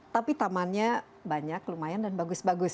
tapi tamannya banyak lumayan dan bagus bagus